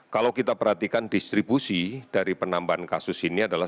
kalau kita perhatikan distribusi dari penambahan kasus ini adalah